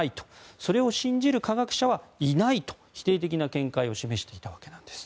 それを信じる科学者はいないと否定的な見解を示していたわけなんです。